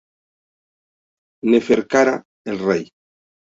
Neferkara, el rey.